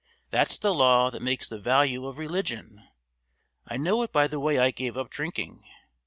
That's the law that makes the value of religion; I know it by the way I gave up drinking.